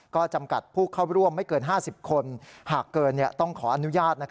ก็จำกัดผู้เข้าร่วมไม่เกิน๕๐คนหากเกินต้องขออนุญาต